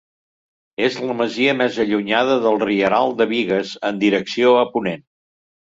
És la masia més allunyada del Rieral de Bigues en direcció a ponent.